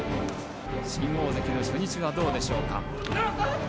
新大関の初日は、どうでしょうか。